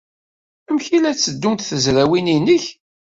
Amek ay la tteddunt tezrawin-nnek?